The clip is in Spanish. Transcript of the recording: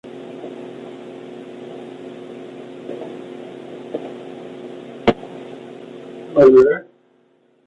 El episodio recibió en su mayoría críticas positivas.